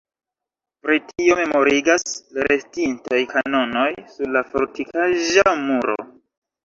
Pri tio memorigas la restintaj kanonoj sur la fortikaĵa muro.